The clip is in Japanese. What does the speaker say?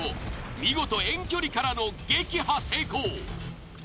見事遠距離からの撃破成功。